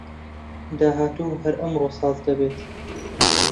داهاتوو هەر ئەمڕۆ ساز دەبێت